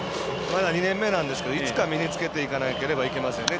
まだ２年目なんですけどいつか、身につけていかなければいけませんね。